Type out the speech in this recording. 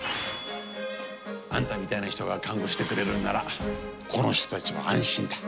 あんたみたいな人が看護してくれるんならここの人たちも安心だ。